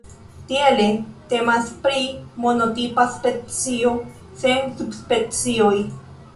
Tiele temas pri monotipa specio, sen subspecioj.